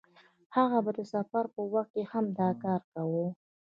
هغه به د سفر په وخت هم دا کار کاوه.